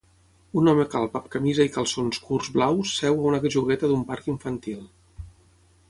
Un home calb amb camisa i calçons curts blaus seu a una jugueta d'un parc infantil